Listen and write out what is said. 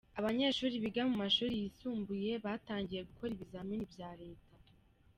Abanyeshuri biga mu mashuri yisumbuye batangiye gukora ibizamini bya leta.